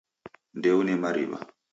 Ndeune mariwa